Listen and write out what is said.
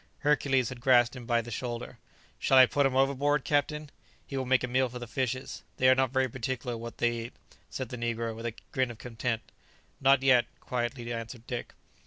Hercules had grasped him by the shoulder. "Shall I put him overboard, captain? he will make a meal for the fishes; they are not very particular what they eat," said the negro, with a grin of contempt. "Not yet," quietly answered Dick.